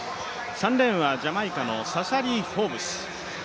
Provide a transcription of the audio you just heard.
３レーンはジャマイカのサシャリー・フォーブス。